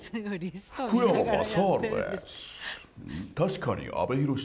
福山雅治です。